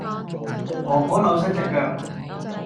婆婆扭親隻腳